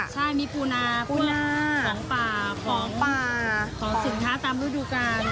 ใช่มีภูนาของป่าของสุนท้าตามรุ่นดูกาล